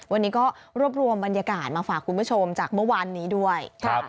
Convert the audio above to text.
วันนี้ก็รวบรวมบรรยากาศมาฝากคุณผู้ชมจากเมื่อวานนี้ด้วย